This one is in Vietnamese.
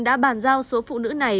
đã bàn giao số phụ nữ này